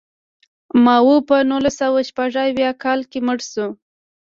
ماوو په نولس سوه شپږ اویا کال کې مړ شو.